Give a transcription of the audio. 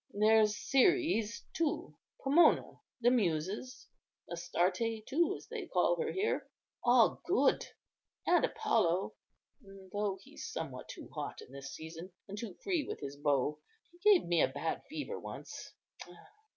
There's Ceres, too; Pomona; the Muses; Astarte, too, as they call her here; all good;—and Apollo, though he's somewhat too hot in this season, and too free with his bow. He gave me a bad fever once.